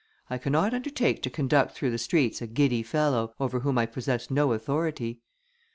I cannot undertake to conduct through the streets a giddy fellow, over whom I possess no authority."